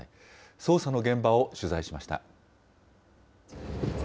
捜査の現場を取材しました。